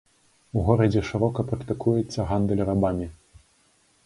У горадзе шырока практыкуецца гандаль рабамі.